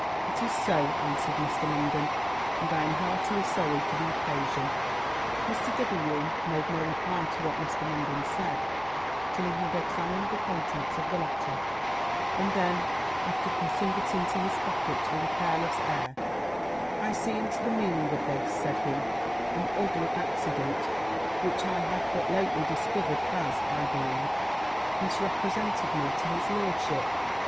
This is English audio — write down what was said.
'It is so,' answered Mr. Munden; 'and I am heartily sorry for the occasion.' Mr. W made no reply to what Mr. Munden said, till he had examined the contents of the letter; and then, after putting it into his pocket with a careless air, 'I see into the meaning of this,' said he: 'an ugly accident, which I have but lately discovered, has, I believe, misrepresented me to his lordship.